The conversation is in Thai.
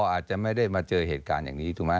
อาจจะไม่ได้มาเจอเหตุการณ์อย่างนี้ถูกไหม